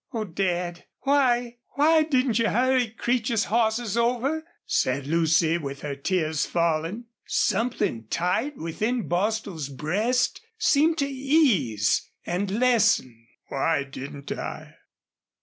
"Oh, Dad, why, why didn't you hurry Creech's horses over?" said Lucy, with her tears falling. Something tight within Bostil's breast seemed to ease and lessen. "Why didn't I?